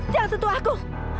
jangan sentuh aku